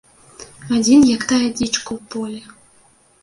Адзін, як тая дзічка ў полі.